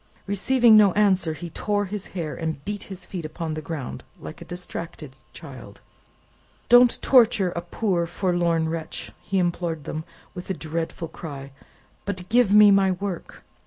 Receiving no answer, he tore his hair, and beat his feet upon the ground, like a distracted child. "Don't torture a poor forlorn wretch," he implored them, with a dreadful cry; "but give me my work!